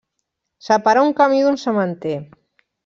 Separa un camí d'un sementer.